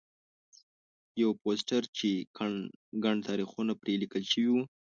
یو پوسټر چې ګڼ تاریخونه پرې لیکل شوي وو.